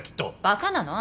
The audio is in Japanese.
バカなの？